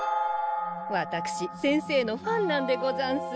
私先生のファンなんでござんす。